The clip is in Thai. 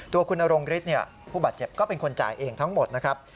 ตัวคุณนรงฤทธิ์ผู้บาดเจ็บก็เป็นคนจ่ายเองทั้งหมดนะครับ